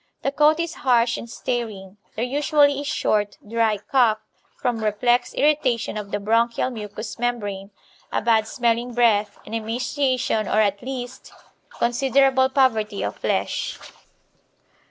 The coat is harsh and staring, there usually is short, dry cough from reflex irritation of the bronchial mucous membrane, a bad smelling breath and emaciation or at least considerable poverty of flesh.